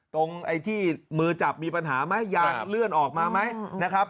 ไอ้ที่มือจับมีปัญหาไหมยางเลื่อนออกมาไหมนะครับ